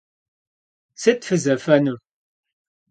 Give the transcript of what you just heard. Sıt fızefênur?